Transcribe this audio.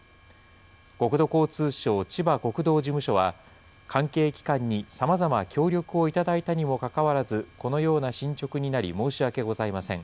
国土交通省千葉国道事務所は、関係機関にさまざま、協力をいただいたにもかかわらず、このような進捗になり申し訳ございません。